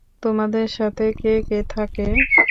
তোমার সাথে কে কে থাকে?